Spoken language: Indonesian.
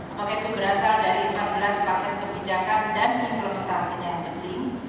apakah itu berasal dari empat belas paket kebijakan dan implementasinya yang penting